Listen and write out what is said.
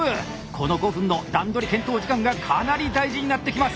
この５分の段取り検討時間がかなり大事になってきます！